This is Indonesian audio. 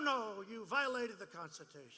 kita tidak tahu anda menghalang konstitusi